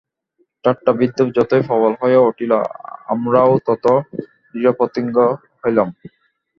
ঠাট্টা-বিদ্রূপ যতই প্রবল হইয়া উঠিল, আমরাও তত দৃঢ়প্রতিজ্ঞ হইলাম।